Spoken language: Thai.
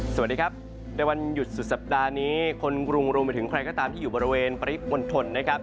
สวัสดีครับในวันหยุดสุดสัปดาห์นี้คนกรุงรวมไปถึงใครก็ตามที่อยู่บริเวณปริมณฑลนะครับ